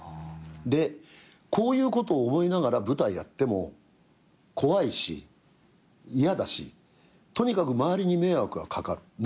でこういうこと思いながら舞台やっても怖いし嫌だしとにかく周りに迷惑がかかる。